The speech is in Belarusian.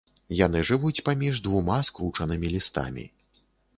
Яны жывуць паміж двума скручанымі лістамі.